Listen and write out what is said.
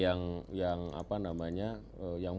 kan dari negara vehicle nilai sendiri